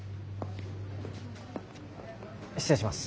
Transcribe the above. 失礼します。